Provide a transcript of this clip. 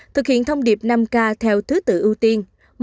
thực hiện thông điệp năm k theo thứ tự ưu tiên